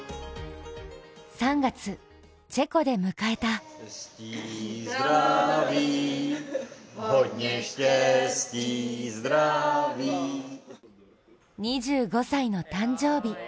３月、チェコで迎えた２５歳の誕生日。